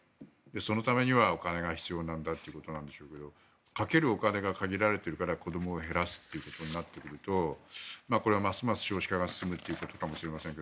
そのためにはお金が必要なんだということなんでしょうがかけるお金が限られているから子どもを減らすということになってくるとますます少子化が進むということになるかもしれませんが。